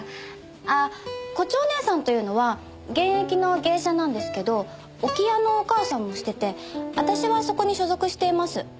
あっ胡蝶姐さんというのは現役の芸者なんですけど置屋のおかあさんもしてて私はそこに所属しています。